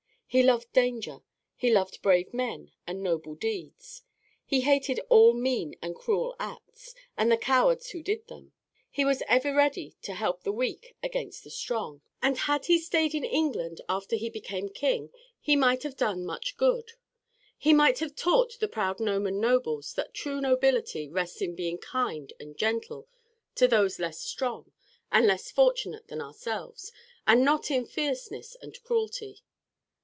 He loved danger; he loved brave men and noble deeds. He hated all mean and cruel acts, and the cowards who did them. He was ever ready to help the weak against the strong, and had he stayed in England after he became king he might have done much good. He might have taught the proud Norman nobles that true nobility rests in being kind and gentle to those less strong and less fortunate than ourselves, and not in fierceness and cruelty.